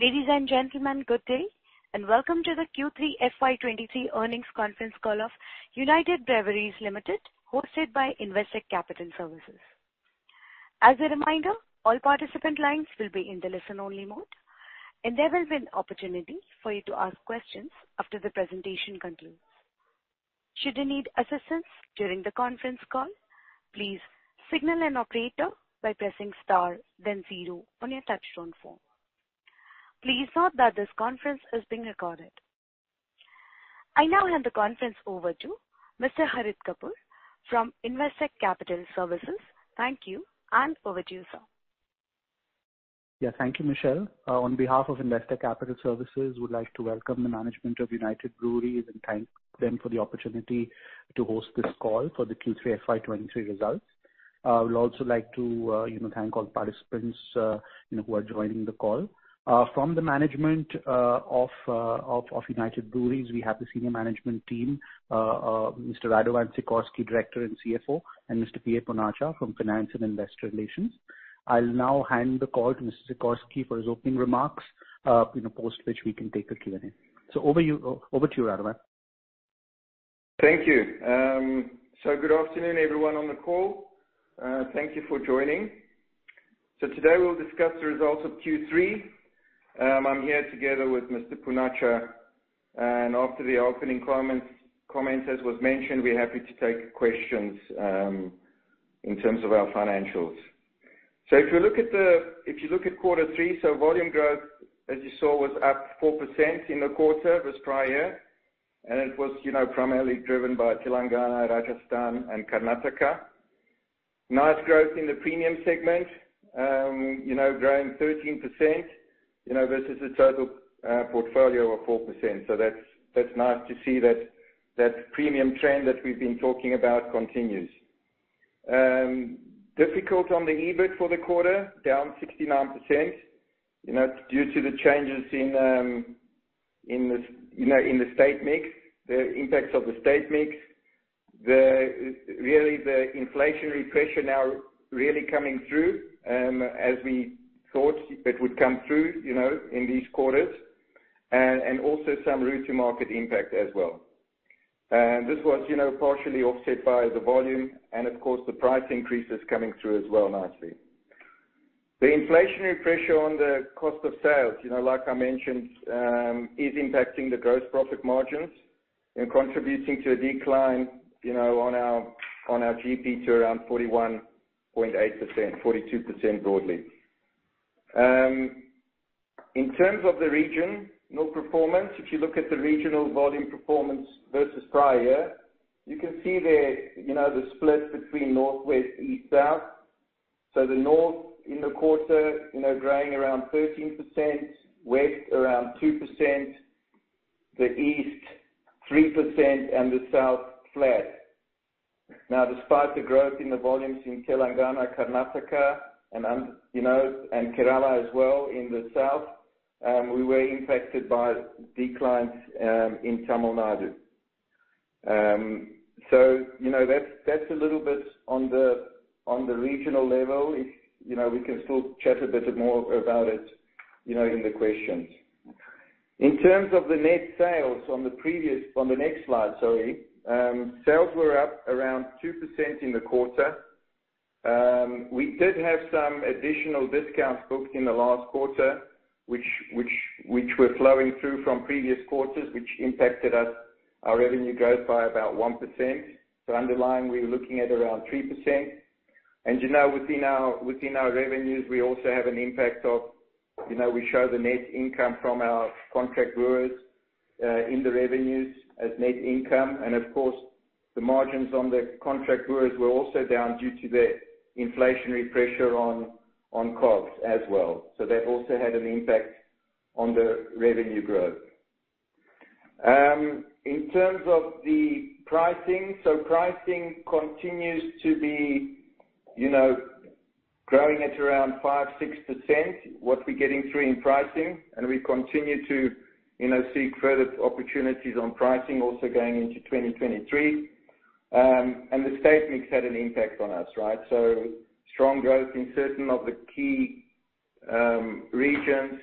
Ladies and gentlemen, good day, and welcome to the Q3 FY23 earnings conference call of United Breweries Limited, hosted by Investec Capital Services. As a reminder, all participant lines will be in the listen-only mode, and there will be an opportunity for you to ask questions after the presentation concludes. Should you need assistance during the conference call, please signal an operator by pressing star then zero on your touchtone phone. Please note that this conference is being recorded. I now hand the conference over to Mr. Harit Kapoor from Investec Capital Services. Thank you, and over to you, sir. Yeah. Thank you, Michelle. On behalf of Investec Capital Services, we'd like to welcome the management of United Breweries and thank them for the opportunity to host this call for the Q3 FY23 results. We'd also like to, you know, thank all participants, you know, who are joining the call. From the management of United Breweries, we have the senior management team, Mr. Radovan Sikorsky, Director and CFO, and Mr. PA Poonacha from Finance and Investor Relations. I'll now hand the call to Mr. Sikorsky for his opening remarks, post which we can take a Q&A. Over to you, Radovan. Thank you. Good afternoon everyone on the call. Thank you for joining. Today we'll discuss the results of Q3. I'm here together with Mr. Poonacha, and after the opening comments as was mentioned, we're happy to take questions in terms of our financials. If you look at Q3, volume growth, as you saw, was up 4% in the quarter versus prior year, and it was, you know, primarily driven by Telangana, Rajasthan and Karnataka. Nice growth in the premium segment, you know, growing 13%, you know, versus the total portfolio of 4%. That's, that's nice to see that premium trend that we've been talking about continues. Difficult on the EBIT for the quarter, down 69%, you know, due to the changes in. you know, in the state mix, the impacts of the state mix. The, really, the inflationary pressure now really coming through as we thought it would come through, you know, in these quarters, and also some route to market impact as well. This was, you know, partially offset by the volume and of course the price increases coming through as well nicely. The inflationary pressure on the cost of sales, you know, like I mentioned, is impacting the gross profit margins and contributing to a decline, you know, on our GP to around 41.8%, 42% broadly. In terms of the region, no performance. If you look at the regional volume performance versus prior year, you can see there, you know, the split between north, west, east, south. The north in the quarter, you know, growing around 13%, west around 2%, the east 3%, and the south flat. Despite the growth in the volumes in Telangana, Karnataka and, you know, and Kerala as well in the south, we were impacted by declines in Tamil Nadu. You know, that's a little bit on the regional level. You know, we can still chat a bit more about it, you know, in the questions. In terms of the net sales on the next slide, sorry. Sales were up around 2% in the quarter. We did have some additional discounts booked in the last quarter, which were flowing through from previous quarters, which impacted us, our revenue growth by about 1%. Underlying, we're looking at around 3%. You know, within our, within our revenues, we also have an impact of, you know, we show the net income from our contract brewers in the revenues as net income. Of course, the margins on the contract brewers were also down due to the inflationary pressure on COGS as well. That also had an impact on the revenue growth. In terms of the pricing continues to be, you know, growing at around 5%-6%, what we're getting through in pricing. We continue to, you know, seek further opportunities on pricing also going into 2023. The state mix had an impact on us, right? Strong growth in certain of the key regions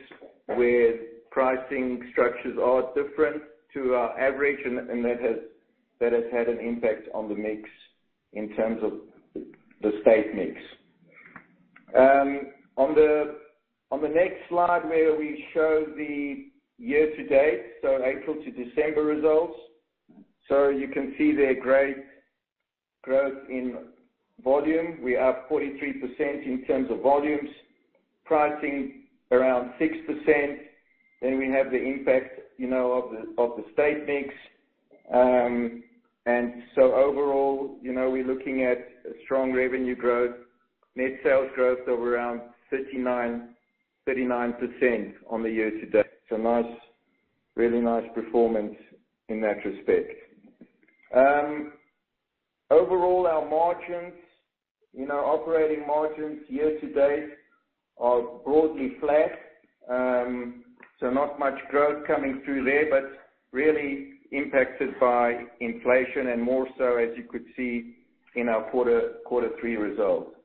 where pricing structures are different to our average, and that has had an impact on the mix in terms of the state mix. On the next slide where we show the year to date, so April to December results. You can see their great growth in volume. We're up 43% in terms of volumes. Pricing around 6%. We have the impact, you know, of the state mix. Overall, you know, we're looking at a strong revenue growth, net sales growth of around 39% on the year to date. Nice, really nice performance in that respect. Overall, our margins, you know, operating margins year to date are broadly flat. Not much growth coming through there, but really impacted by inflation and more so as you could see in our Q3 results.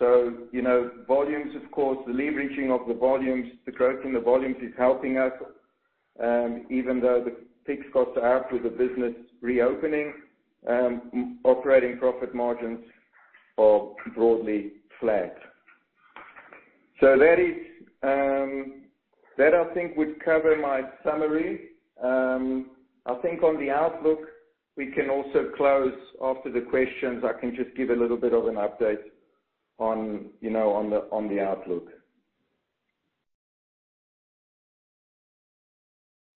You know, volumes of course, the leveraging of the volumes, the growth in the volumes is helping us, even though the picks got up with the business reopening, operating profit margins are broadly flat. That is, that I think would cover my summary. I think on the outlook, we can also close after the questions. I can just give a little bit of an update on, you know, on the outlook.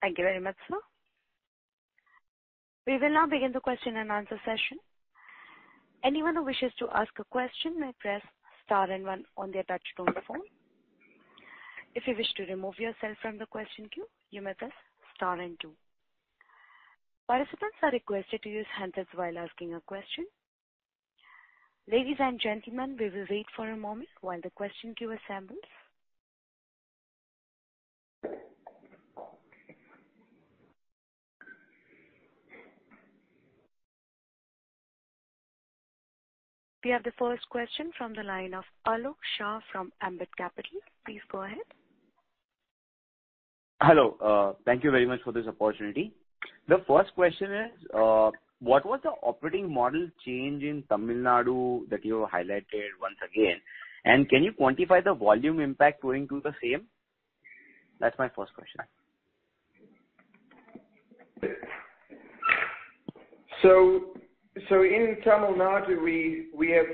Thank you very much, sir. We will now begin the question and answer session. Anyone who wishes to ask a question may press star and one on their touchtone phone. If you wish to remove yourself from the question queue, you may press star and two. Participants are requested to use handsets while asking a question. Ladies and gentlemen, we will wait for a moment while the question queue assembles. We have the first question from the line of Alok Shah from Ambit Capital. Please go ahead. Hello. Thank you very much for this opportunity. The first question is, what was the operating model change in Tamil Nadu that you highlighted once again? Can you quantify the volume impact owing to the same? That's my first question. In Tamil Nadu, we have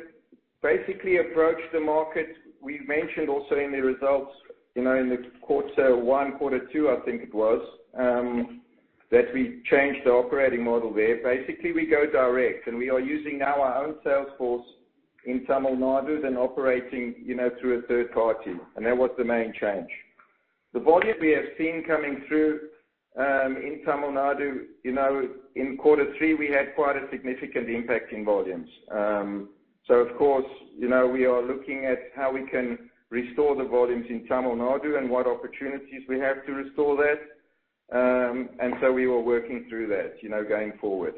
basically approached the market. We mentioned also in the results, you know, in the quarter one, quarter two, I think it was, that we changed the operating model there. Basically, we go direct, we are using now our own sales force in Tamil Nadu than operating, you know, through a third party. That was the main change. The volume we have seen coming through in Tamil Nadu, you know, in quarter three we had quite a significant impact in volumes. Of course, you know, we are looking at how we can restore the volumes in Tamil Nadu and what opportunities we have to restore that. We were working through that, you know, going forward.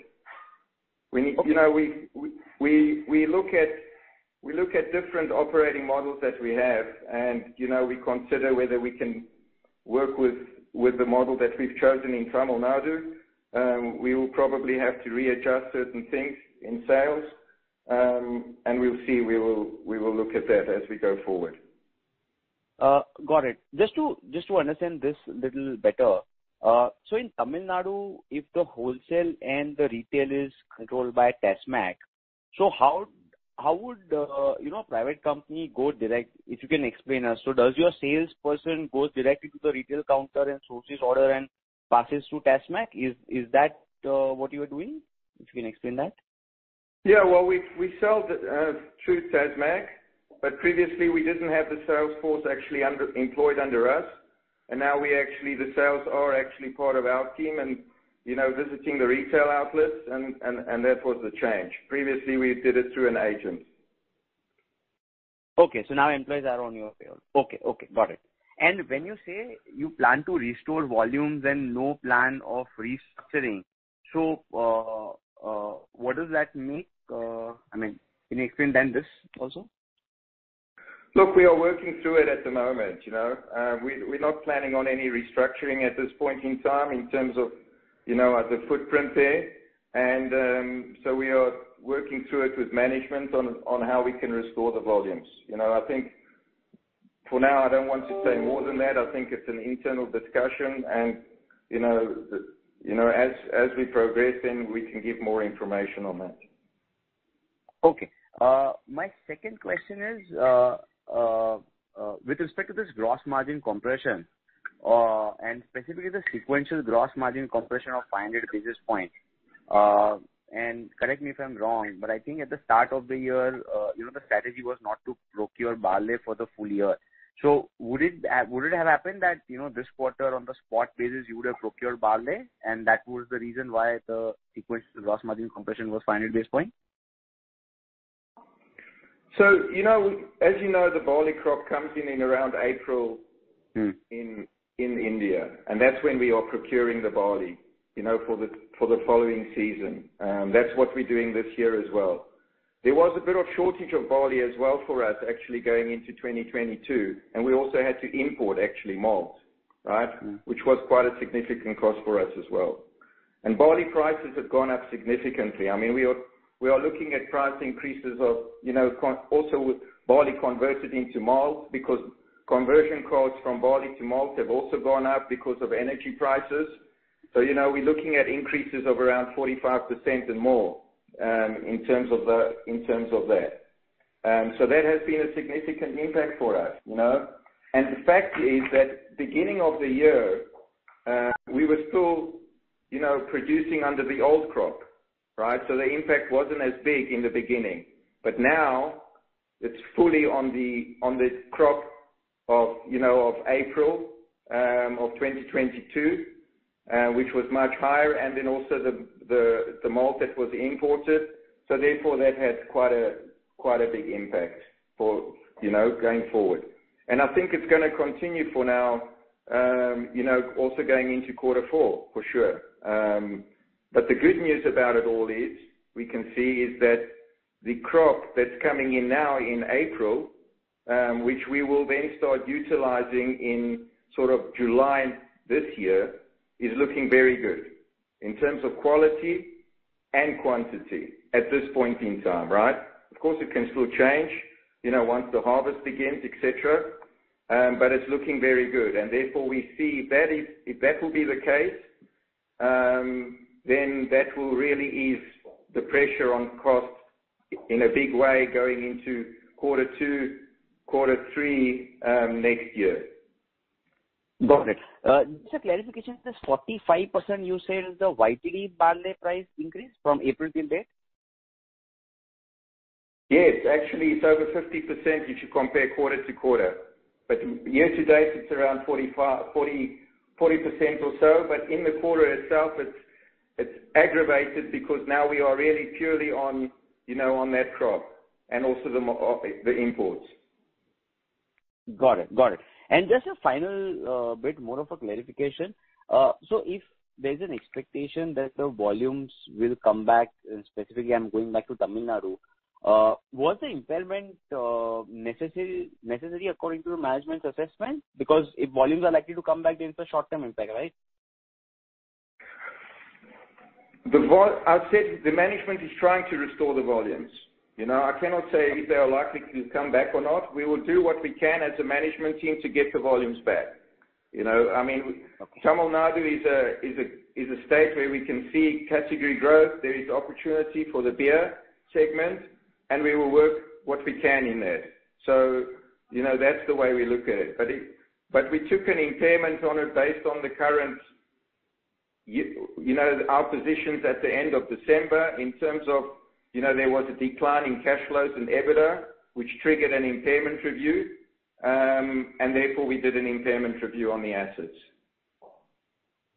We need... You know, we look at different operating models that we have and, you know, we consider whether we can work with the model that we've chosen in Tamil Nadu. We will probably have to readjust certain things in sales, and we'll see. We will look at that as we go forward. Got it. Just to understand this little better. In Tamil Nadu, if the wholesale and the retail is controlled by TASMAC, how would, you know, private company go direct? If you can explain us. Does your salesperson goes directly to the retail counter and sources order and passes through TASMAC? Is that what you are doing? If you can explain that. Yeah. Well, we sell the through TASMAC, but previously we didn't have the sales force actually under, employed under us. Now we actually, the sales are actually part of our team and, you know, visiting the retail outlets and that was the change. Previously, we did it through an agent. Okay. Now employees are on your payroll. Okay. Okay. Got it. When you say you plan to restore volumes and no plan of restructuring, what does that mean? I mean, can you explain then this also? Look, we are working through it at the moment, you know. we're not planning on any restructuring at this point in time in terms of, you know, at the footprint there. we are working through it with management on how we can restore the volumes. You know, I think for now, I don't want to say more than that. I think it's an internal discussion and, you know, as we progress then we can give more information on that. Okay. My second question is with respect to this gross margin compression, and specifically the sequential gross margin compression of 500 basis points. Correct me if I'm wrong, but I think at the start of the year, you know, the strategy was not to procure barley for the full year. Would it have happened that, you know, this quarter on the spot basis, you would have procured barley, and that was the reason why the sequence gross margin compression was 500 basis points? you know, as you know, the barley crop comes in around April. Mm. in India. That's when we are procuring the barley, you know, for the, for the following season. That's what we're doing this year as well. There was a bit of shortage of barley as well for us actually going into 2022. We also had to import actually malt, right? Mm. Which was quite a significant cost for us as well. Barley prices have gone up significantly. I mean, we are looking at price increases of, you know, also barley converted into malt because conversion costs from barley to malt have also gone up because of energy prices. You know, we're looking at increases of around 45% and more in terms of that. That has been a significant impact for us, you know. The fact is that beginning of the year, we were still, you know, producing under the old crop, right? The impact wasn't as big in the beginning. Now it's fully on the crop of, you know, of April 2022, which was much higher, and then also the malt that was imported. Therefore, that had quite a, quite a big impact for, you know, going forward. I think it's gonna continue for now, you know, also going into quarter four, for sure. The good news about it all is, we can see is that the crop that's coming in now in April, which we will then start utilizing in sort of July this year, is looking very good in terms of quality and quantity at this point in time, right? Of course, it can still change, you know, once the harvest begins, et cetera, but it's looking very good. Therefore, we see that if that will be the case, then that will really ease the pressure on costs in a big way going into quarter two, quarter three, next year. Got it. Just a clarification. This 45% you said is the YTD barley price increase from April till date? Yes. Actually, it's over 50% if you compare quarter-over-quarter. Year to date, it's around 40% or so. In the quarter itself, it's aggravated because now we are really purely on, you know, on that crop and also the imports. Got it. Got it. Just a final, bit, more of a clarification. If there's an expectation that the volumes will come back, and specifically I'm going back to Tamil Nadu, was the impairment, necessary according to the management's assessment? Because if volumes are likely to come back, then it's a short-term impact, right? I said the management is trying to restore the volumes. You know, I cannot say if they are likely to come back or not. We will do what we can as a management team to get the volumes back. You know, I mean. Okay. Tamil Nadu is a state where we can see category growth. There is opportunity for the beer segment, and we will work what we can in that. you know, that's the way we look at it. we took an impairment on it based on the current you know, our positions at the end of December in terms of, you know, there was a decline in cash flows and EBITDA, which triggered an impairment review. therefore, we did an impairment review on the assets.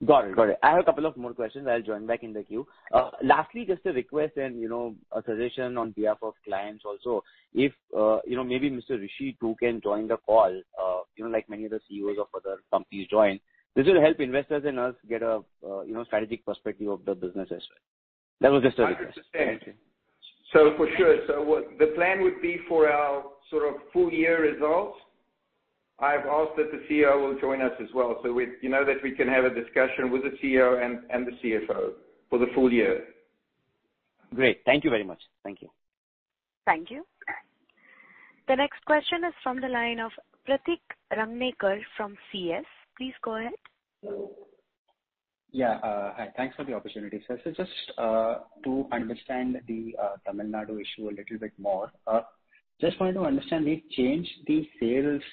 Got it. Got it. I have a couple of more questions. I'll join back in the queue. Sure. lastly, just a request and, you know, a suggestion on behalf of clients also, if, you know, maybe Mr. Rishi too can join the call, you know, like many of the CEOs of other companies joined. This will help investors and us get a, you know, strategic perspective of the business as well. That was just a request. 100%. Thank you. For sure. What the plan would be for our sort of full year results, I've asked that the CEO will join us as well. We, you know, that we can have a discussion with the CEO and the CFO for the full year. Great. Thank you very much. Thank you. Thank you. The next question is from the line of Pratik Rangnekar from CS. Please go ahead. Yeah. Hi, thanks for the opportunity. Just to understand the Tamil Nadu issue a little bit more, just wanted to understand the change, the sales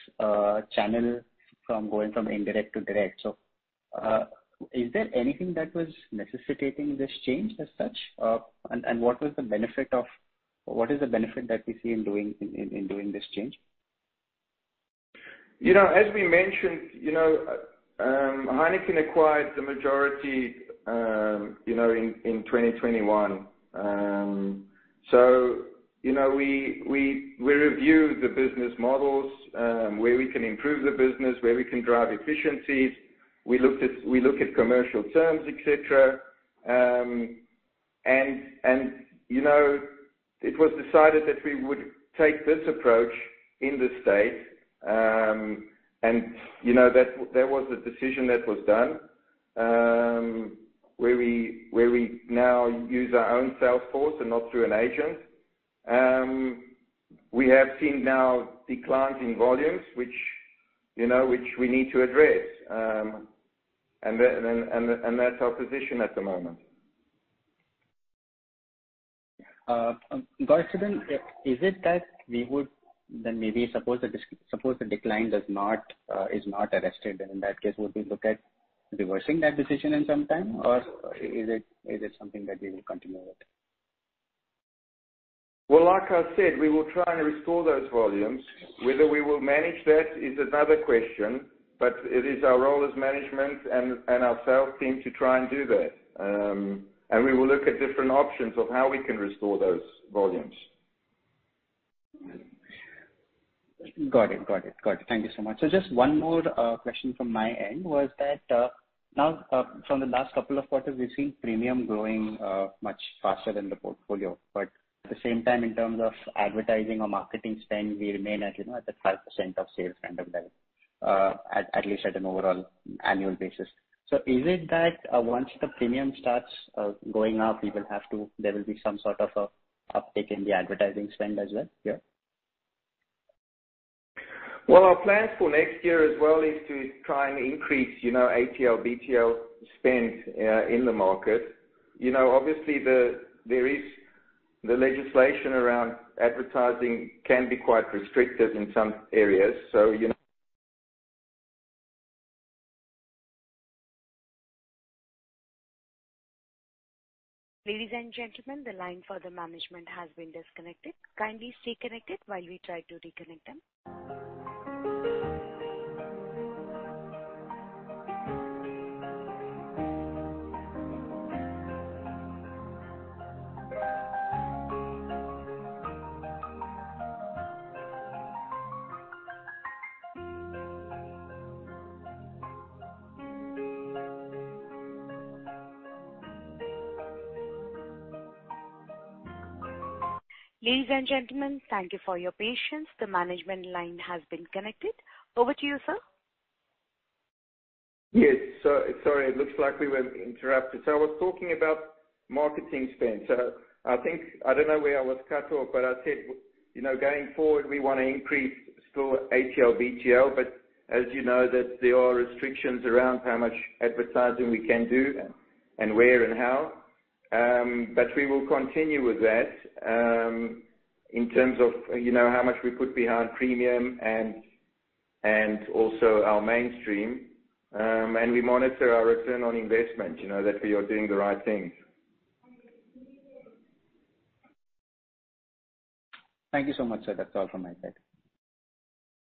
channel from going from indirect to direct. Is there anything that was necessitating this change as such? What is the benefit that we see in doing this change? You know, as we mentioned, you know, Heineken acquired the majority, you know, in 2021. You know, we reviewed the business models, where we can improve the business, where we can drive efficiencies. We look at commercial terms, et cetera. You know, it was decided that we would take this approach in this state. You know, that was the decision that was done, where we now use our own sales force and not through an agent. We have seen now declines in volumes, which, you know, which we need to address. That's our position at the moment. Got it then. Is it that we would then maybe suppose the decline does not, is not arrested, and in that case, would we look at reversing that decision in some time? Is it something that we will continue with? Well, like I said, we will try and restore those volumes. Whether we will manage that is another question, but it is our role as management and our sales team to try and do that. We will look at different options of how we can restore those volumes. Got it. Got it. Got it. Thank you so much. just one more question from my end was that now from the last couple of quarters, we've seen premium growing much faster than the portfolio. at the same time, in terms of advertising or marketing spend, we remain at, you know, at the 5% of sales kind of level, at least at an overall annual basis. is it that once the premium starts going up, there will be some sort of a uptick in the advertising spend as well here? Well, our plans for next year as well is to try and increase, you know, ATL, BTL spend in the market. You know, obviously there is the legislation around advertising can be quite restrictive in some areas. You know. Ladies and gentlemen, the line for the management has been disconnected. Kindly stay connected while we try to reconnect them. Ladies and gentlemen, thank you for your patience. The management line has been connected. Over to you, sir. Yes. Sorry, it looks like we were interrupted. I was talking about marketing spend. I think I don't know where I was cut off, but I said, you know, going forward, we wanna increase store ATL, BTL. As you know, that there are restrictions around how much advertising we can do and where and how. We will continue with that in terms of, you know, how much we put behind premium and also our mainstream. We monitor our return on investment, you know, that we are doing the right things. Thank you so much, sir. That's all from my side.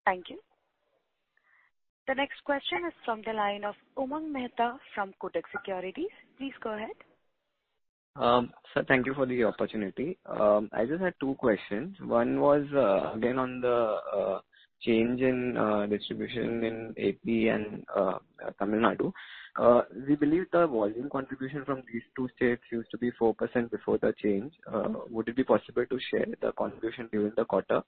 Thank you. The next question is from the line of Umang Mehta from Kotak Securities. Please go ahead. Sir, thank you for the opportunity. I just had two questions. One was, again, on the change in distribution in AP and Tamil Nadu. We believe the volume contribution from these two states used to be 4% before the change. Would it be possible to share the contribution during the quarter?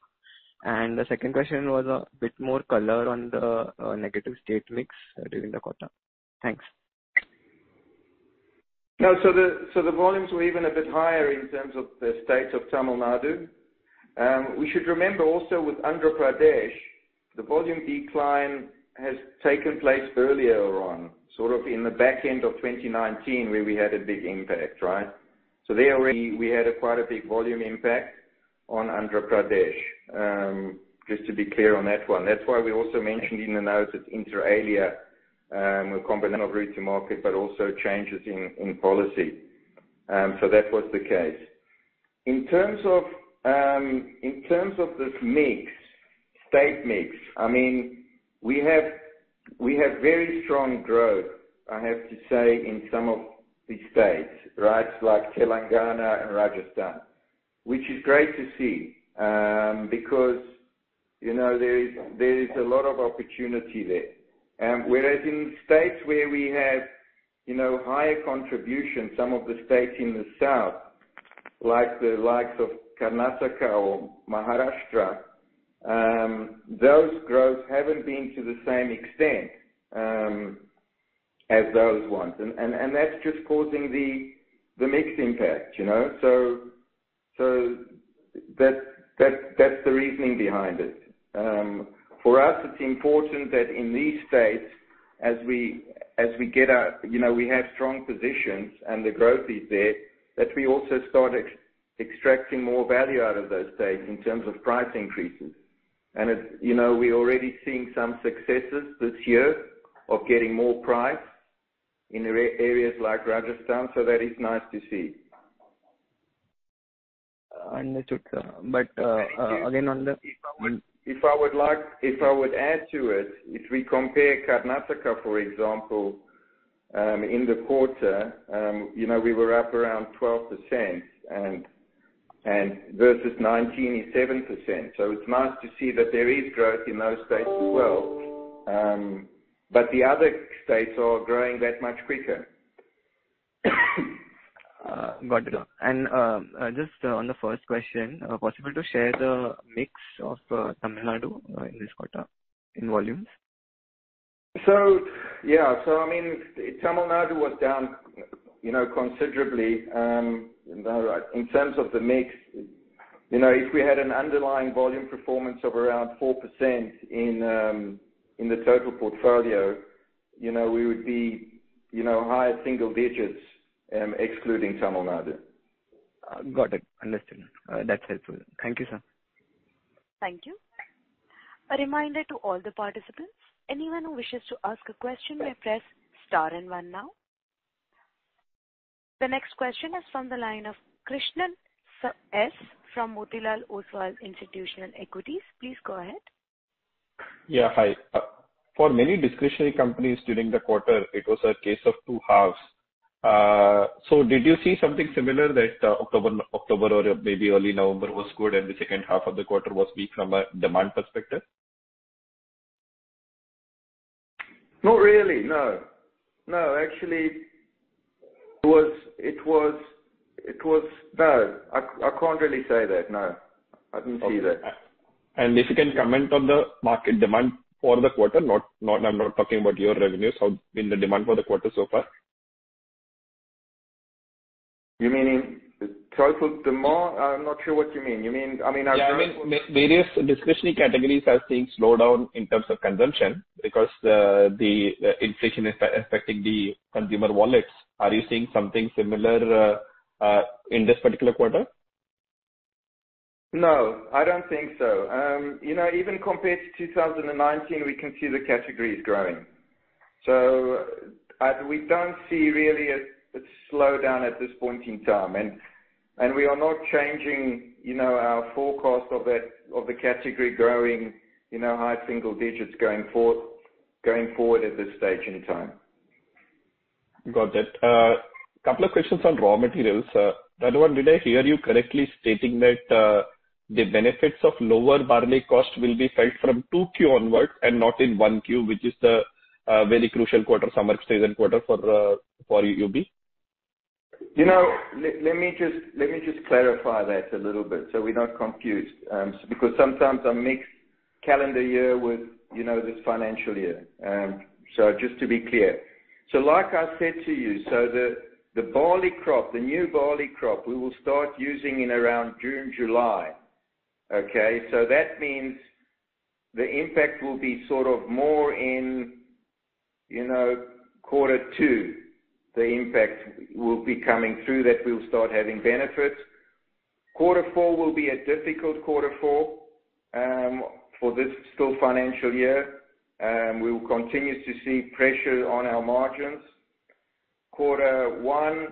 The second question was a bit more color on the negative state mix during the quarter. Thanks. No. The volumes were even a bit higher in terms of the state of Tamil Nadu. We should remember also with Andhra Pradesh, the volume decline has taken place earlier on, sort of in the back end of 2019, where we had a big impact, right? There we had a quite a big volume impact on Andhra Pradesh. Just to be clear on that one. That's why we also mentioned in the notes that inter alia, a combination of route to market, but also changes in policy. That was the case. In terms of this mix, state mix, I mean, we have very strong growth, I have to say, in some of these states, right? Like Telangana and Rajasthan, which is great to see, because, you know, there is a lot of opportunity there. Whereas in states where we have, you know, higher contribution, some of the states in the south, like the likes of Karnataka or Maharashtra, those growth haven't been to the same extent as those ones. That's just causing the mix impact, you know? That's the reasoning behind it. For us, it's important that in these states, You know, we have strong positions and the growth is there, that we also start extracting more value out of those states in terms of price increases. You know, we're already seeing some successes this year of getting more price in areas like Rajasthan, so that is nice to see. Understood, sir. again on the-. If I would add to it, if we compare Karnataka, for example, in the quarter, you know, we were up around 12% and versus 19 is 7%. It's nice to see that there is growth in those states as well, but the other states are growing that much quicker. Got it. Just on the first question, possible to share the mix of Tamil Nadu in this quarter in volumes? Yeah. I mean, Tamil Nadu was down, you know, considerably, in terms of the mix. You know, if we had an underlying volume performance of around 4% in the total portfolio, you know, we would be, you know, high single digits, excluding Tamil Nadu. Got it. Understood. That's helpful. Thank you, sir. Thank you. A reminder to all the participants, anyone who wishes to ask a question, they press star and one now. The next question is from the line of Krishnan Sambamoorthy from Motilal Oswal Institutional Equities. Please go ahead. Hi. For many discretionary companies during the quarter, it was a case of two halves. Did you see something similar that October or maybe early November was good and the second half of the quarter was weak from a demand perspective? Not really, no. No, actually it was. No. I can't really say that, no. I didn't see that. Okay. If you can comment on the market demand for the quarter. I'm not talking about your revenues. How been the demand for the quarter so far? You meaning total demand? I'm not sure what you mean. You mean, I mean. Yeah, I mean various discretionary categories are seeing slowdown in terms of consumption because the inflation is affecting the consumer wallets. Are you seeing something similar in this particular quarter? I don't think so. You know, even compared to 2019, we can see the category is growing. We don't see really a slowdown at this point in time. We are not changing, you know, our forecast of the category growing, you know, high single digits going forward at this stage in time. Got it. Couple of questions on raw materials. That one, did I hear you correctly stating that, the benefits of lower barley cost will be felt from 2Q onwards and not in 1Q, which is the, very crucial quarter, summer season quarter for UB? You know, let me just clarify that a little bit so we're not confused, because sometimes I mix calendar year with, you know, this financial year. Just to be clear. Like I said to you, the barley crop, the new barley crop we will start using in around June, July. Okay? That means the impact will be sort of more in, you know, Q2, the impact will be coming through that we'll start having benefits. Q4 will be a difficult Q4 for this still financial year. We will continue to see pressure on our margins. Q1,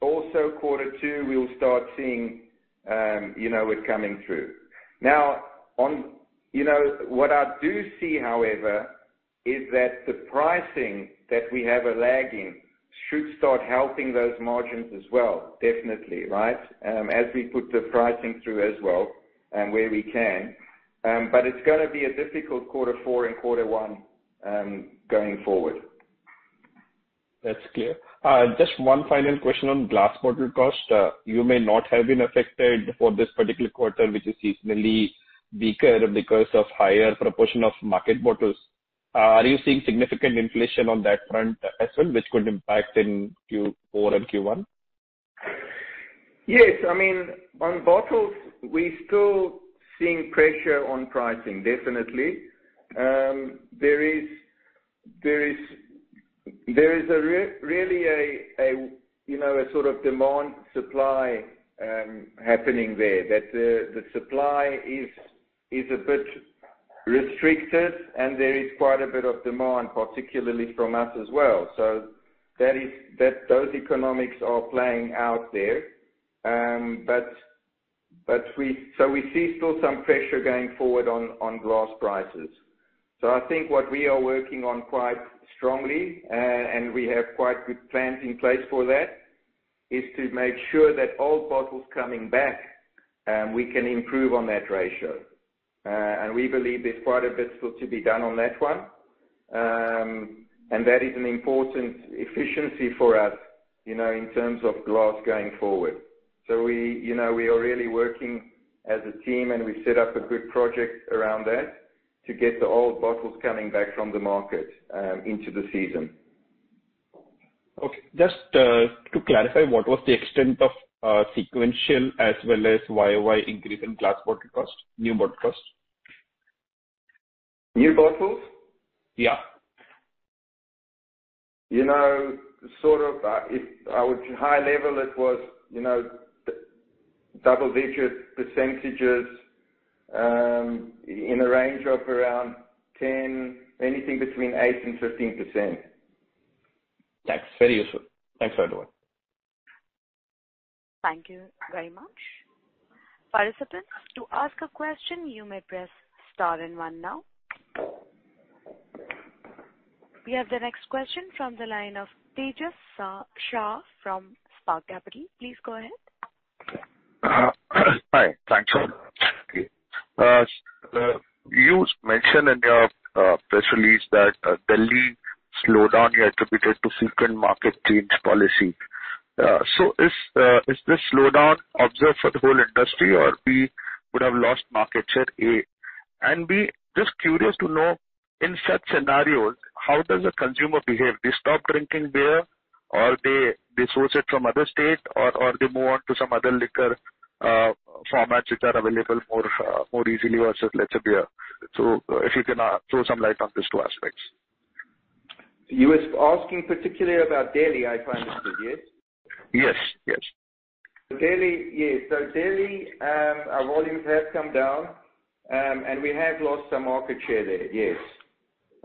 also Q2, we'll start seeing, you know, it coming through. You know, what I do see, however, is that the pricing that we have a lag in should start helping those margins as well, definitely, right? As we put the pricing through as well and where we can. It's gonna be a difficult quarter four and quarter one, going forward. That's clear. Just one final question on glass bottle cost. You may not have been affected for this particular quarter, which is seasonally weaker because of higher proportion of market bottles. Are you seeing significant inflation on that front as well, which could impact in Q4 and Q1? Yes. I mean, on bottles we're still seeing pressure on pricing, definitely. There is really a, you know, a sort of demand supply, happening there. That the supply is a bit restricted and there is quite a bit of demand, particularly from us as well. Those economics are playing out there. We see still some pressure going forward on glass prices. I think what we are working on quite strongly, and we have quite good plans in place for that, is to make sure that all bottles coming back, we can improve on that ratio. We believe there's quite a bit still to be done on that one. That is an important efficiency for us, you know, in terms of glass going forward. We, you know, we are really working as a team, and we set up a good project around that to get the old bottles coming back from the market, into the season. Okay. Just to clarify, what was the extent of sequential as well as YOY increase in glass bottle cost, new bottle cost? New bottles? Yeah. You know, sort of, High level, it was, you know, double-digit percentages, in a range of around 10%, anything between 8% and 15%. That's very useful. Thanks, Edwin. Thank you very much. Participants, to ask a question you may press star and one now. We have the next question from the line of Tejas Shah from Spark Capital. Please go ahead. mentioned in your press release that Delhi slowdown you attributed to frequent market change policy. Is this slowdown observed for the whole industry, or would we have lost market share? And just curious to know, in such scenarios, how does a consumer behave? They stop drinking beer or they source it from other state or they move on to some other liquor formats which are available more easily versus lesser beer? If you can throw some light on these two aspects. You was asking particularly about Delhi, I understood. Yes? Yes. Yes. Delhi. Yes. Delhi, our volumes have come down. We have lost some market share there. Yes.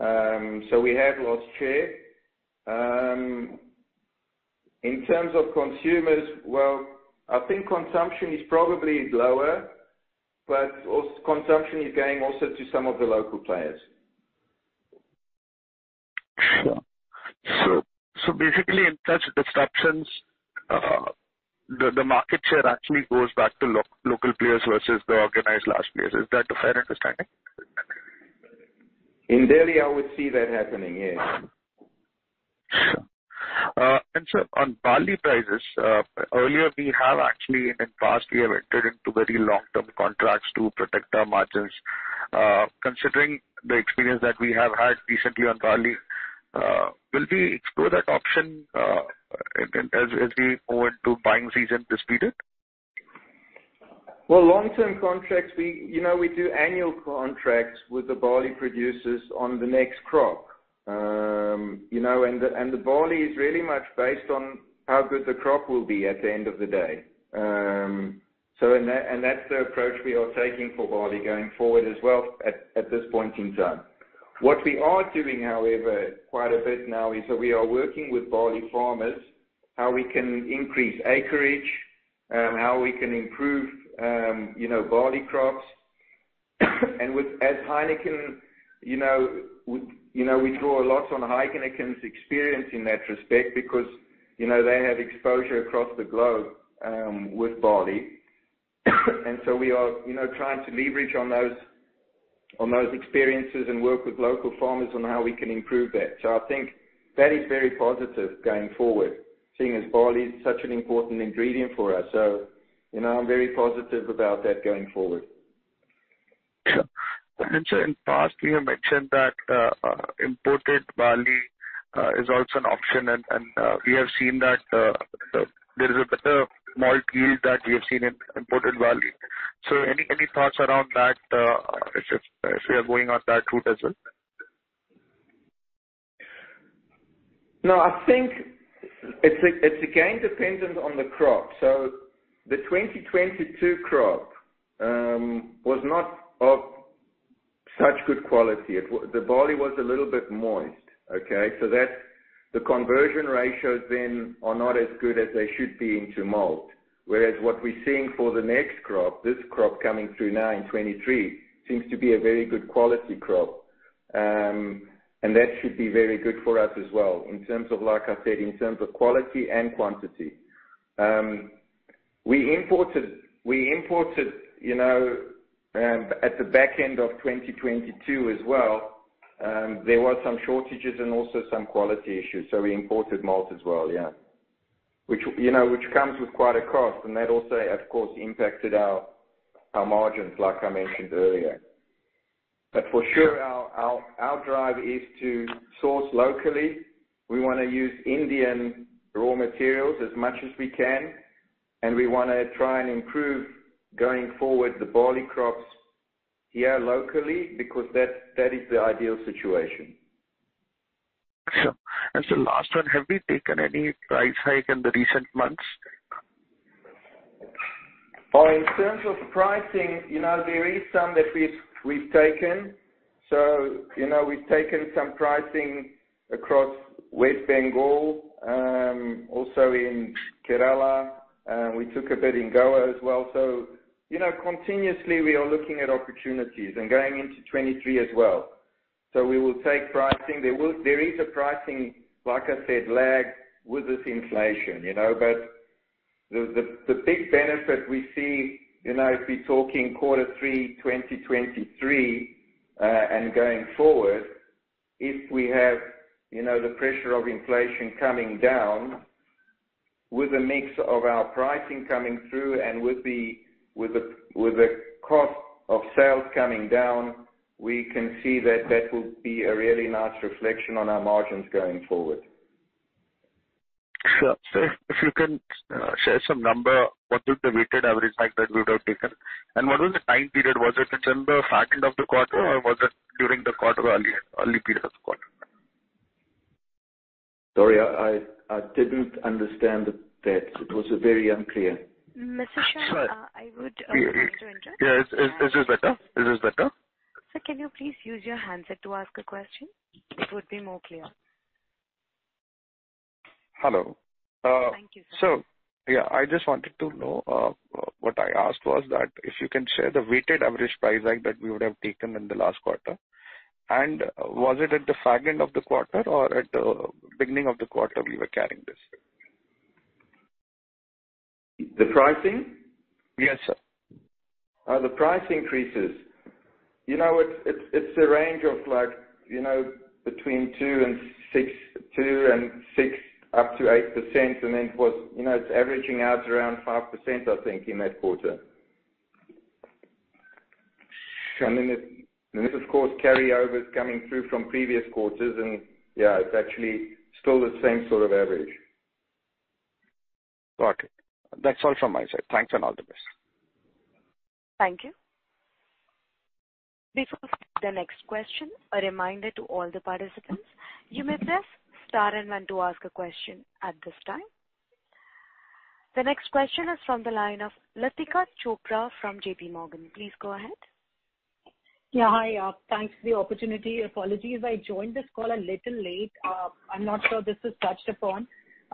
We have lost share. In terms of consumers, well, I think consumption is probably lower. Also consumption is going also to some of the local players. Sure. Basically in such disruptions, the market share actually goes back to local players versus the organized large players. Is that a fair understanding? In Delhi, I would see that happening, yes. Sure. On barley prices, earlier we have actually in the past we have entered into very long-term contracts to protect our margins. Considering the experience that we have had recently on barley, will we explore that option, as we move into buying season this period? Long-term contracts, we, you know, we do annual contracts with the barley producers on the next crop. You know, and the, and the barley is really much based on how good the crop will be at the end of the day. That, and that's the approach we are taking for barley going forward as well at this point in time. What we are doing, however, quite a bit now is that we are working with barley farmers, how we can increase acreage and how we can improve, you know, barley crops. At Heineken, you know, we draw a lot on Heineken's experience in that respect because, you know, they have exposure across the globe, with barley. We are, you know, trying to leverage on those experiences and work with local farmers on how we can improve that. I think that is very positive going forward, seeing as barley is such an important ingredient for us. You know, I'm very positive about that going forward. Sure. In past you have mentioned that imported barley is also an option. We have seen that there is a better malt yield that we have seen in imported barley. Any thoughts around that, if we are going on that route as well? No, I think it's again dependent on the crop. The 2022 crop was not of such good quality. The barley was a little bit moist. Okay? That's. The conversion ratios then are not as good as they should be into malt. Whereas what we're seeing for the next crop, this crop coming through now in 23, seems to be a very good quality crop. That should be very good for us as well in terms of, like I said, in terms of quality and quantity. We imported, you know, at the back end of 2022 as well, there were some shortages and also some quality issues, so we imported malt as well, yeah. Which, you know, which comes with quite a cost. That also of course impacted our margins like I mentioned earlier. For sure, our drive is to source locally. We wanna use Indian raw materials as much as we can, and we wanna try and improve going forward the barley crops here locally because that is the ideal situation. Sure. Last one. Have we taken any price hike in the recent months? In terms of pricing, you know, there is some that we've taken. We've taken some pricing across West Bengal, also in Kerala, we took a bit in Goa as well. Continuously we are looking at opportunities and going into 23 as well. We will take pricing. There is a pricing, like I said, lag with this inflation, you know, the big benefit we see, you know, if we're talking Q3 2023 and going forward, if we have, you know, the pressure of inflation coming down with a mix of our pricing coming through and with the cost of sales coming down, we can see that that will be a really nice reflection on our margins going forward. Sure. if you can share some number, what was the weighted average hike that we would have taken? What was the time period? Was it in the second of the quarter or was it during the quarter early period of the quarter? Sorry, I didn't understand that. It was very unclear. Mr. Shah. Sure. like to interrupt. Yeah. Is this better? Is this better? Sir, can you please use your handset to ask a question? It would be more clear. Hello. Thank you, sir. Yeah, I just wanted to know, what I asked was that if you can share the weighted average price hike that we would have taken in the last quarter. Was it at the far end of the quarter or at the beginning of the quarter we were carrying this? The pricing? Yes, sir. The price increases. You know, it's a range of like, you know, between 2% and 6% up to 8%. It was, you know, it's averaging out around 5% I think in that quarter. This of course carryovers coming through from previous quarters and yeah, it's actually still the same sort of average. Got it. That's all from my side. Thanks and all the best. Thank you. Before the next question, a reminder to all the participants. You may press star and one to ask a question at this time. The next question is from the line of Latika Chopra from JPMorgan. Please go ahead. Yeah. Hi. Thanks for the opportunity. Apologies, I joined this call a little late. I'm not sure this was touched upon.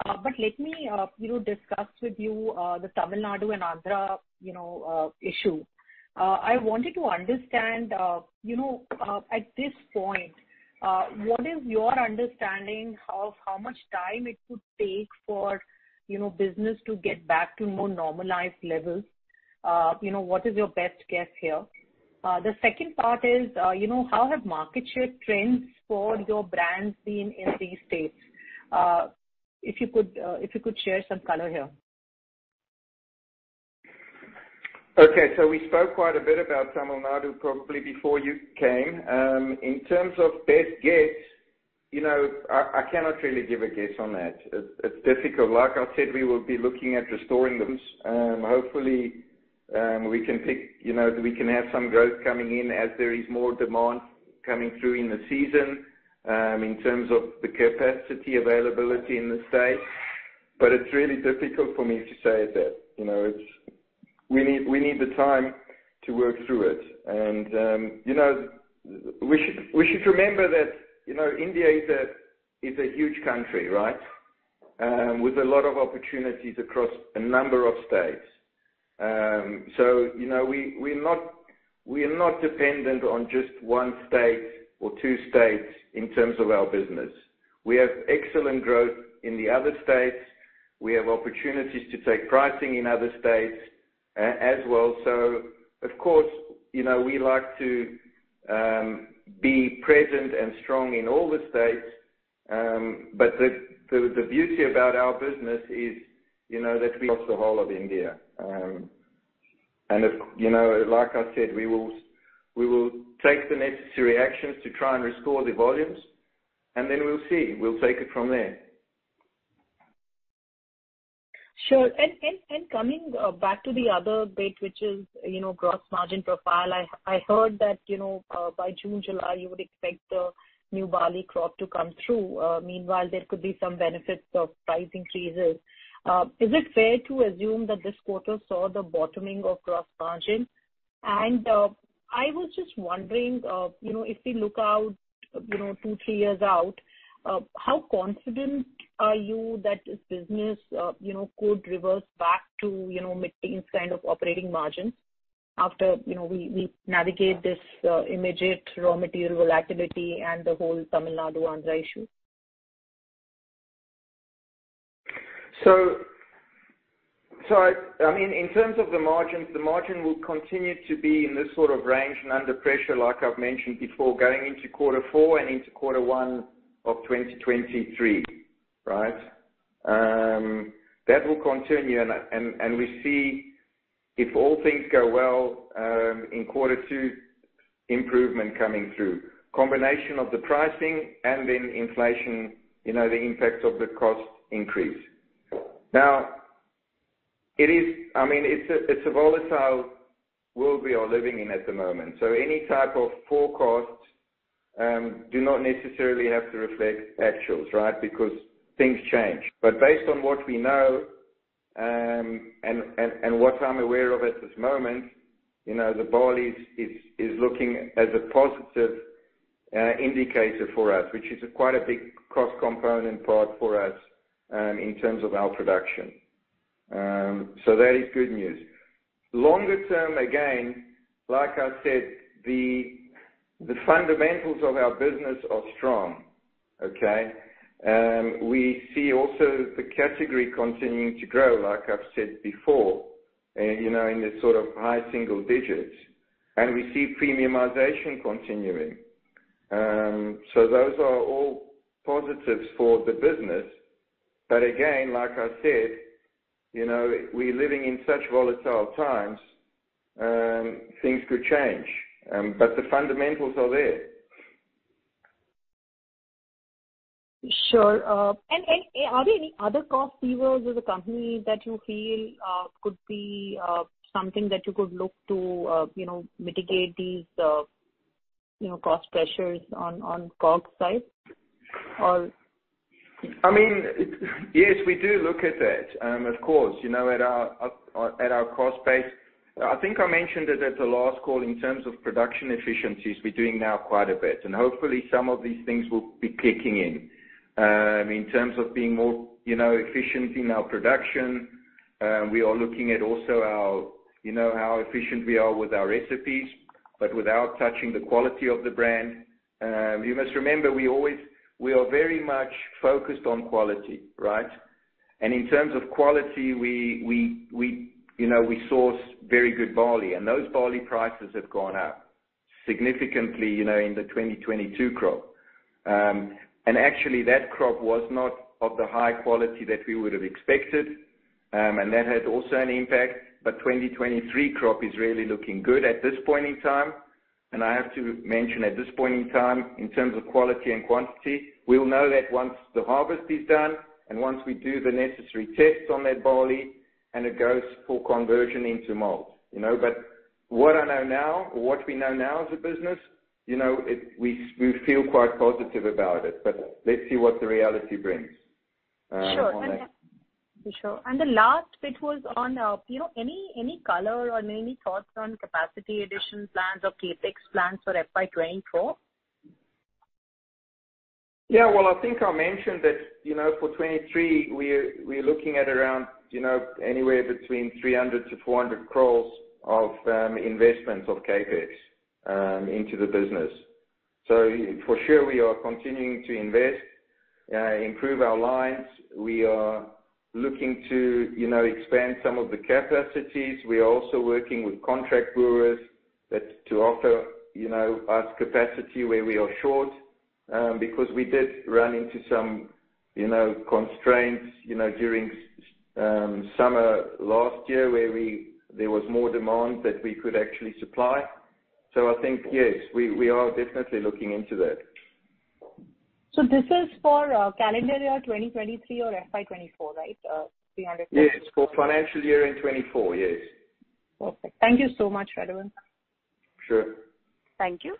Let me, you know, discuss with you the Tamil Nadu and Andhra, you know, issue. I wanted to understand, you know, at this point, what is your understanding of how much time it could take for, you know, business to get back to more normalized levels? You know, what is your best guess here? The second part is, you know, how have market share trends for your brands been in these states? If you could share some color here. Okay. We spoke quite a bit about Tamil Nadu probably before you came. In terms of best guess, you know, I cannot really give a guess on that. It's difficult. Like I said, we will be looking at restoring those, hopefully. We can pick, you know, we can have some growth coming in as there is more demand coming through in the season, in terms of the capacity availability in the state. It's really difficult for me to say that. You know, it's. We need the time to work through it. You know, we should remember that, you know, India is a huge country, right? With a lot of opportunities across a number of states. You know, we're not dependent on just one state or two states in terms of our business. We have excellent growth in the other states. We have opportunities to take pricing in other states as well. Of course, you know, we like to be present and strong in all the states. The beauty about our business is, you know, that we across the whole of India. If, you know, like I said, we will, we will take the necessary actions to try and restore the volumes, and then we'll see. We'll take it from there. Sure. Coming back to the other bit, which is, you know, gross margin profile. I heard that, you know, by June, July, you would expect the new barley crop to come through. Meanwhile, there could be some benefits of price increases. Is it fair to assume that this quarter saw the bottoming of gross margin? I was just wondering, you know, if we look out, you know, two, three years out, how confident are you that this business, you know, could reverse back to, you know, mid-teens kind of operating margin after, you know, we navigate this immediate raw material volatility and the whole Tamil Nadu one issue? I mean, in terms of the margins, the margin will continue to be in this sort of range and under pressure, like I've mentioned before, going into quarter four and into quarter one of 2023, right? That will continue and we see, if all things go well, in quarter two, improvement coming through. Combination of the pricing and then inflation, you know, the impact of the cost increase. I mean, it's a, it's a volatile world we are living in at the moment, so any type of forecast do not necessarily have to reflect actuals, right? Because things change. Based on what we know, and what I'm aware of at this moment, you know, the barley is looking as a positive indicator for us, which is quite a big cost component part for us, in terms of our production. That is good news. Longer term, again, like I said, the fundamentals of our business are strong, okay? We see also the category continuing to grow, like I've said before, you know, in the sort of high single digits. We see premiumization continuing. Those are all positives for the business. Again, like I said, you know, we're living in such volatile times, things could change. The fundamentals are there. Sure. Are there any other cost levers as a company that you feel could be something that you could look to, you know, mitigate these, you know, cost pressures on COGS side? Or? I mean, yes, we do look at that. Of course, you know, at our, at our cost base. I think I mentioned it at the last call in terms of production efficiencies we're doing now quite a bit, and hopefully some of these things will be kicking in. In terms of being more, you know, efficient in our production, we are looking at also our, you know, how efficient we are with our recipes, but without touching the quality of the brand. You must remember. We are very much focused on quality, right? In terms of quality, we, you know, we source very good barley, and those barley prices have gone up significantly, you know, in the 2022 crop. Actually that crop was not of the high quality that we would have expected. That had also an impact. 2023 crop is really looking good at this point in time. I have to mention at this point in time, in terms of quality and quantity, we'll know that once the harvest is done and once we do the necessary tests on that barley and it goes for conversion into malt. You know? What I know now or what we know now as a business, you know, we feel quite positive about it. Let's see what the reality brings on that. Sure. And the last bit was on, you know, any color or any thoughts on capacity addition plans or CapEx plans for FY24? Well, I think I mentioned that, you know, for 2023 we're looking at around, you know, anywhere between 300 crores-400 crores of investment of CapEx into the business. For sure we are continuing to invest, improve our lines. We are looking to, you know, expand some of the capacities. We are also working with contract brewers that to offer, you know, us capacity where we are short. Because we did run into some, you know, constraints, you know, during summer last year where there was more demand that we could actually supply. I think, yes, we are definitely looking into that. This is for, calendar year 2023 or FY 2024, right? Yes, for financial year in 2024. Yes. Perfect. Thank you so much, Radovan. Sure. Thank you.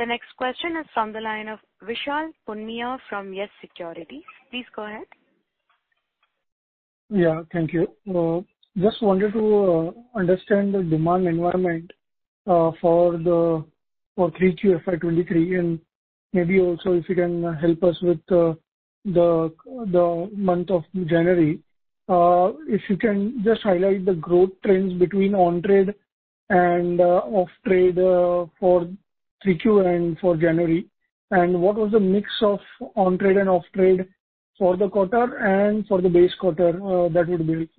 The next question is from the line of Vishal Punmiya from YES Securities. Please go ahead. Yeah, thank you. Just wanted to understand the demand environment for the Q3 FY23, and maybe also if you can help us with the month of January. If you can just highlight the growth trends between on-trade and off-trade for Q3 and for January. What was the mix of on-trade and off-trade for the quarter and for the base quarter, that would be it.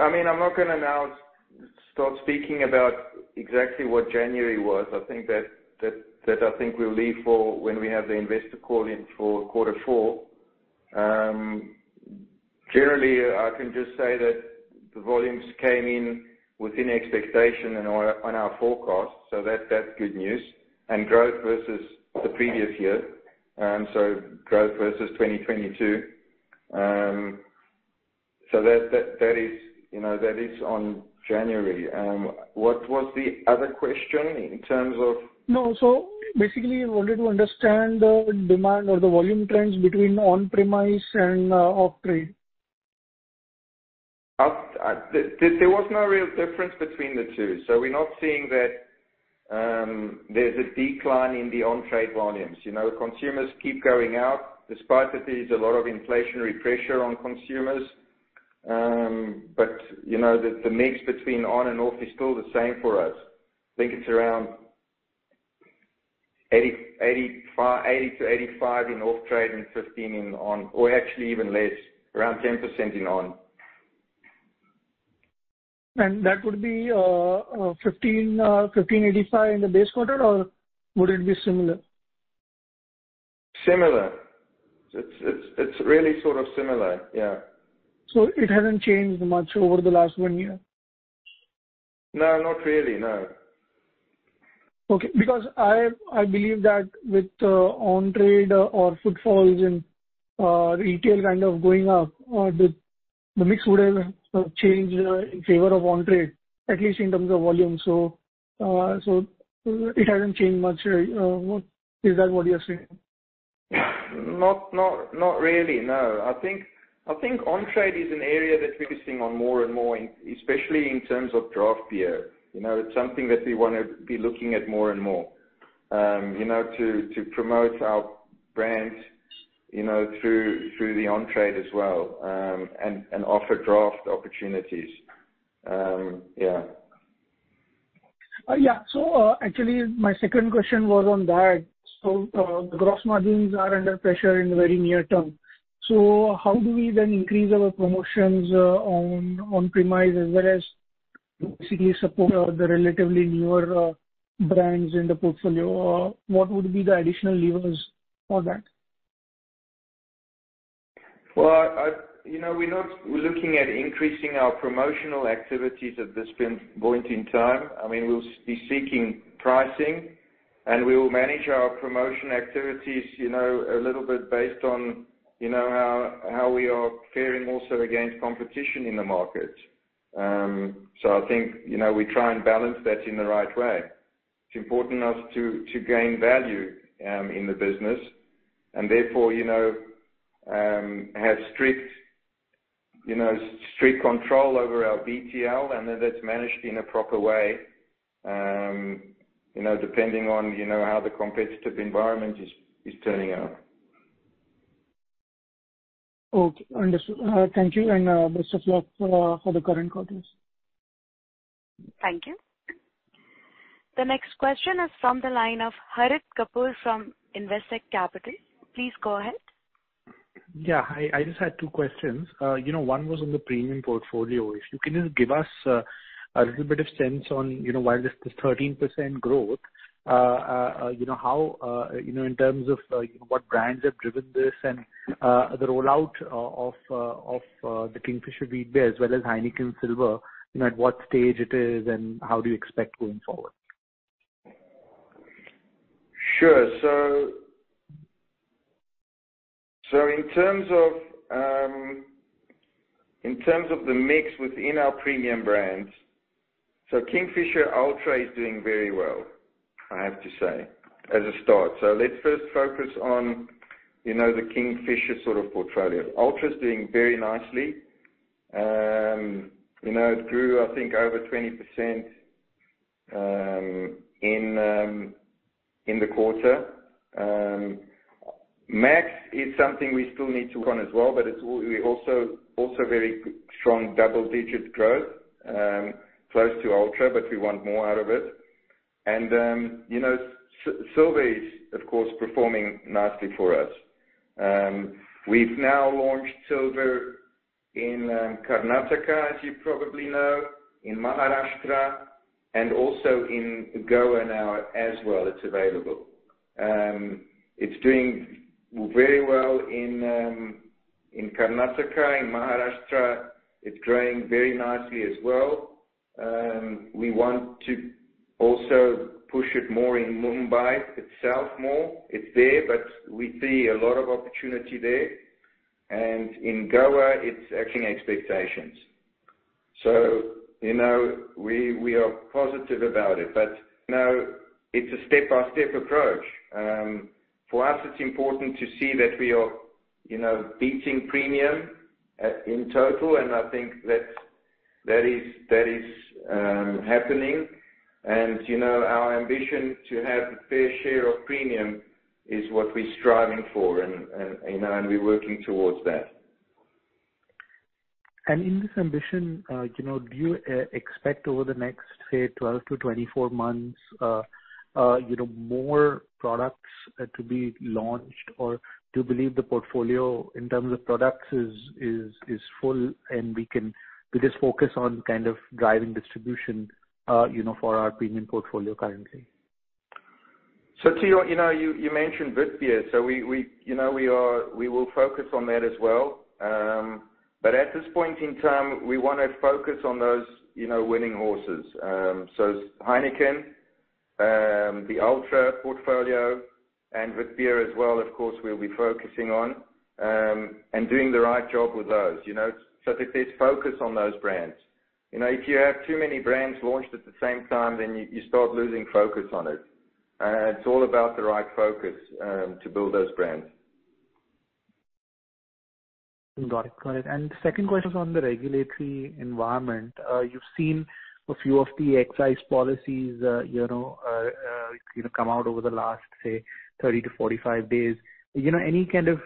I mean, I'm not gonna now start speaking about exactly what January was. I think that I think we'll leave for when we have the investor call in for quarter four. Generally, I can just say that the volumes came in within expectation and on our forecast. That's good news. Growth versus the previous year, growth versus 2022. That is, you know, that is on January. What was the other question in terms of... Basically wanted to understand the demand or the volume trends between on-premise and off-trade. I... There was no real difference between the two. We're not seeing that there's a decline in the on-trade volumes. You know, consumers keep going out despite that there's a lot of inflationary pressure on consumers. You know, the mix between on and off is still the same for us. I think it's around 80, 85, 80 to 85 in off-trade and 15 in on, or actually even less, around 10% in on. That would be 1,585 in the base quarter, or would it be similar? Similar. It's really sort of similar. Yeah. It hasn't changed much over the last one year? No, not really, no. Okay. I believe that with on-trade or footfalls in retail kind of going up, the mix would have changed in favor of on-trade, at least in terms of volume. it hasn't changed much. What? Is that what you're saying? Not really, no. I think on-trade is an area that we're focusing on more and more in, especially in terms of draft beer. You know, it's something that we wanna be looking at more and more. You know, to promote our brands, you know, through the on-trade as well, and offer draft opportunities. Yeah. Yeah. Actually my second question was on that. The gross margins are under pressure in the very near term. How do we then increase our promotions, on-premise as well as basically support, the relatively newer, brands in the portfolio? Or what would be the additional levers for that? Well, you know, we're not looking at increasing our promotional activities at this point in time. I mean, we'll be seeking pricing, and we will manage our promotion activities, you know, a little bit based on, you know, how we are faring also against competition in the market. I think, you know, we try and balance that in the right way. It's important us to gain value in the business and therefore, you know, have strict control over our BTL, and that's managed in a proper way. You know, depending on, you know, how the competitive environment is turning out. Okay. Understood. thank you and, best of luck, for the current quarters. Thank you. The next question is from the line of Harit Kapoor from Investec Capital. Please go ahead. Yeah. I just had two questions. You know, one was on the premium portfolio. If you can just give us a little bit of sense on, you know, while this is 13% growth, you know, how, you know, in terms of, you know, what brands have driven this and the rollout of the Kingfisher Ultra Witbier, as well as Heineken Silver, you know, at what stage it is, and how do you expect going forward? Sure. In terms of, in terms of the mix within our premium brands, Kingfisher Ultra is doing very well, I have to say, as a start. Let's first focus on, you know, the Kingfisher sort of portfolio. Ultra's doing very nicely. You know, it grew I think over 20%, in the quarter. Max is something we still need to work on as well, but we also very strong double-digit growth, close to Ultra, but we want more out of it. You know, Silver is of course performing nicely for us. We've now launched Silver in Karnataka, as you probably know, in Maharashtra, and also in Goa now as well it's available. It's doing very well in Karnataka, in Maharashtra, it's growing very nicely as well. We want to also push it more in Mumbai itself more. It's there, but we see a lot of opportunity there. In Goa, it's exceeding expectations. You know, we are positive about it, but, you know, it's a step-by-step approach. For us, it's important to see that we are, you know, beating premium in total, and I think that's. That is happening. You know, our ambition to have a fair share of premium is what we're striving for and, you know, and we're working towards that. In this ambition, you know, do you expect over the next, say, 12-24 months, you know, more products to be launched? Do you believe the portfolio in terms of products is full and we can just focus on kind of driving distribution, you know, for our premium portfolio currently? You know, you mentioned Witbier. We, you know, we will focus on that as well. But at this point in time, we wanna focus on those, you know, winning horses. Heineken, the Ultra portfolio and Witbier as well, of course, we'll be focusing on and doing the right job with those, you know. There's focus on those brands. You know, if you have too many brands launched at the same time, then you start losing focus on it. It's all about the right focus to build those brands. Got it. Got it. Second question is on the regulatory environment. You've seen a few of the excise policies, you know, come out over the last, say, 30-45 days. You know, any kind of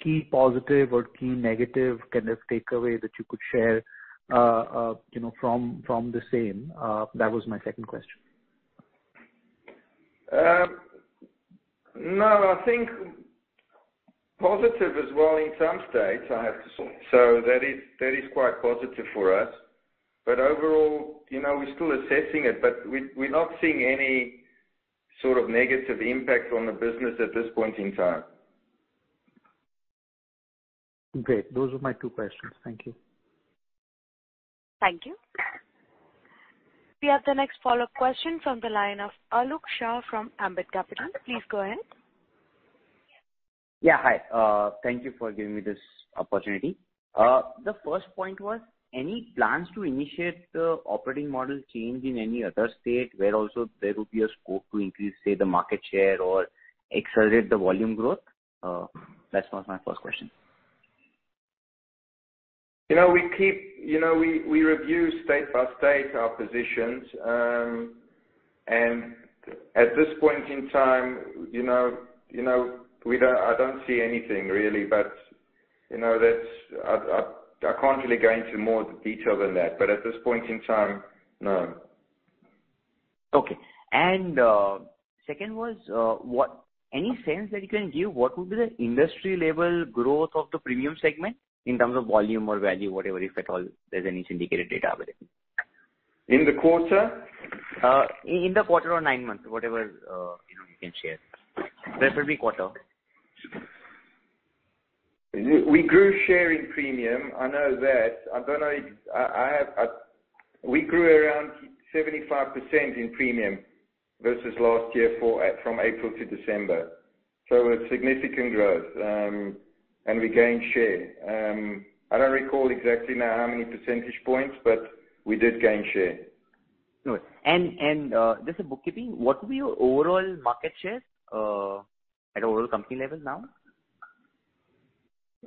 key positive or key negative kind of takeaway that you could share, you know, from the same? That was my second question. No, I think positive as well in some states, I have to say, so that is quite positive for us. Overall, you know, we're still assessing it, but we're not seeing any sort of negative impact on the business at this point in time. Great. Those were my two questions. Thank you. Thank you. We have the next follow-up question from the line of Alok Shah from Ambit Capital. Please go ahead. Hi. Thank you for giving me this opportunity. The first point was, any plans to initiate the operating model change in any other state where also there will be a scope to increase, say, the market share or accelerate the volume growth? That was my first question. You know, we review state by state our positions. At this point in time, you know, I don't see anything really, but, you know, I can't really go into more detail than that, but at this point in time, no. Okay. Second was, Any sense that you can give what would be the industry level growth of the premium segment in terms of volume or value, whatever, if at all there's any syndicated data available? In the quarter? in the quarter or nine months, whatever, you know, you can share. Preferably quarter. We grew share in premium, I know that. We grew around 75% in premium versus last year for, from April to December. It's significant growth. And we gained share. I don't recall exactly now how many percentage points, but we did gain share. Good. Just for bookkeeping, what would be your overall market share at overall company level now?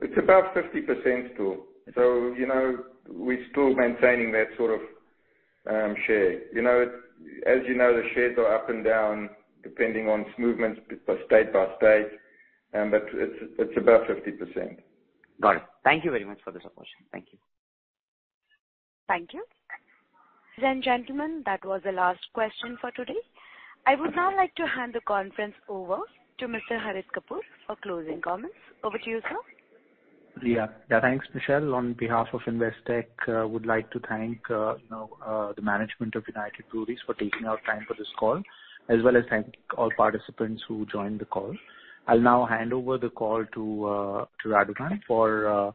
It's about 50% still. You know, we're still maintaining that sort of share. As you know, the shares are up and down depending on movements by state by state, but it's about 50%. Got it. Thank you very much for the support. Thank you. Thank you. Ladies and gentlemen, that was the last question for today. I would now like to hand the conference over to Mr. Harit Kapoor for closing comments. Over to you, sir. Yeah. Thanks, Michelle. On behalf of Investec, would like to thank, you know, the management of United Breweries for taking out time for this call, as well as thank all participants who joined the call. I'll now hand over the call to Radovan for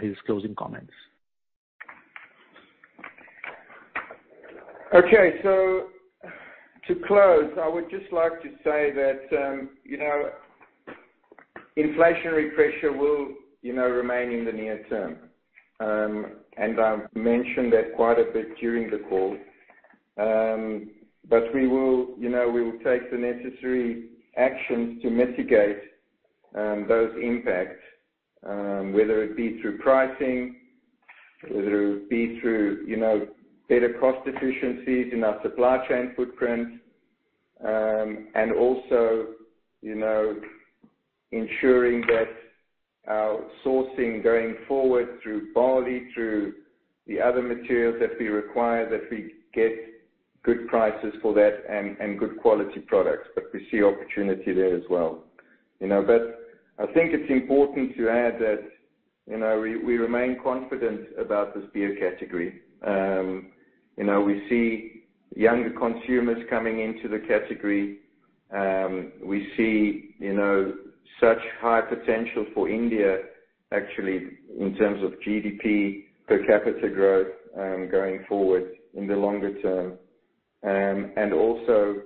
his closing comments. Okay. To close, I would just like to say that, you know, inflationary pressure will, you know, remain in the near term. I've mentioned that quite a bit during the call. We will, you know, we will take the necessary actions to mitigate those impacts, whether it be through pricing, whether it be through, you know, better cost efficiencies in our supply chain footprint, also, you know, ensuring that our sourcing going forward through barley, through the other materials that we require, that we get good prices for that and good quality products, we see opportunity there as well, you know. I think it's important to add that, you know, we remain confident about this beer category. You know, we see younger consumers coming into the category. We see, you know, such high potential for India actually in terms of GDP per capita growth, going forward in the longer term, and also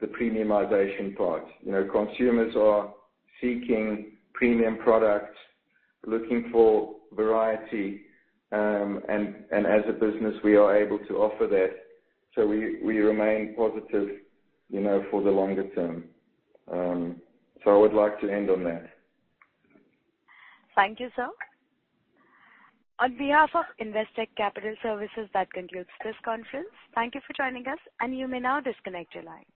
the premiumization part. You know, consumers are seeking premium products, looking for variety, and as a business we are able to offer that, so we remain positive, you know, for the longer term. I would like to end on that. Thank you, sir. On behalf of Investec Capital Services, that concludes this conference. Thank you for joining us, and you may now disconnect your line.